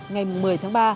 ngày một mươi tháng ba